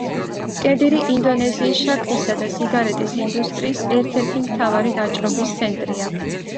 კედირი ინდონეზიის შაქრისა და სიგარეტის ინდუსტრიის ერთ–ერთი მთავარი ვაჭრობის ცენტრია.